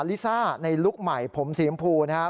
ลิซ่าในลุคใหม่ผมสีชมพูนะครับ